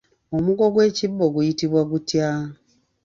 Omugo gw'ekibbo guyitibwa gutya?